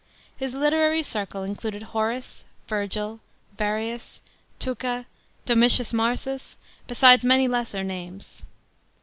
H'S literary circle included Horace, Virgil, Varius, Tucca, Dora i tins Marsus, besides many lesser names.